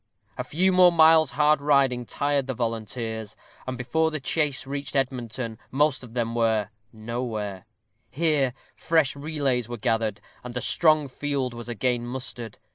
A few more miles' hard riding tired the volunteers, and before the chase reached Edmonton most of them were "nowhere." Here fresh relays were gathered, and a strong field was again mustered.